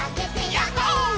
ヤッホー。